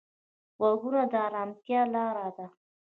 غوږونه د ارامتیا لاره ده